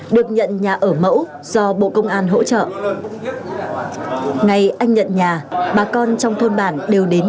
được nhận nhà ở mẫu do bộ công an hỗ trợ ngày anh nhận nhà bà con trong thôn bản đều đến